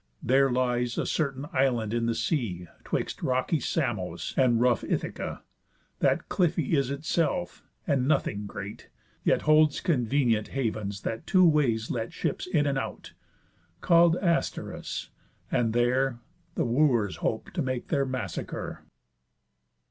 There lies a certain island in the sea, Twixt rocky Samos and rough Ithaca, That cliffy is itself, and nothing great, Yet holds convenient havens that two ways let Ships in and out, call'd Asteris; and there The Wooers hop'd to make their massacre.